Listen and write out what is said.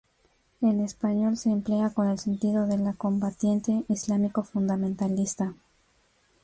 En español se emplea con el sentido de ‘combatiente islámico fundamentalista’.